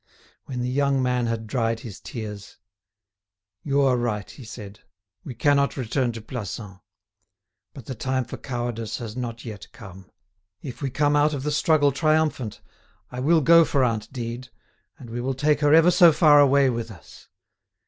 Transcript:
When the young man had dried his tears: "You are right," he said; "we cannot return to Plassans. But the time for cowardice has not yet come. If we come out of the struggle triumphant, I will go for aunt Dide, and we will take her ever so far away with us.